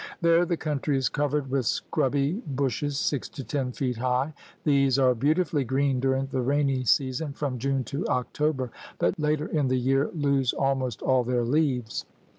There the country is covered with scrubby bushes six to ten feet high. These are beautifully green during the rainy season from June to October, but later in the year lose almost all their leaves.